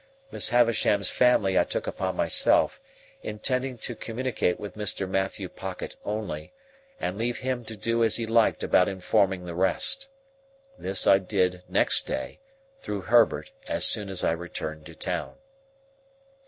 Miss Havisham's family I took upon myself; intending to communicate with Mr. Matthew Pocket only, and leave him to do as he liked about informing the rest. This I did next day, through Herbert, as soon as I returned to town.